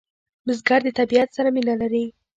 بزګر د طبیعت سره مینه لري